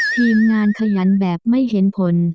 ทีมงานขยันแบบไม่เห็นผล